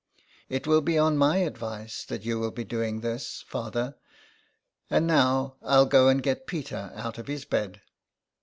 '' It will be on my advice that you will be doing this, father ; and now I'll go and get Peter out of his bed."